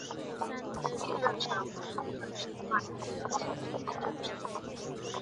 地震神为日本神话中出现的地震神只。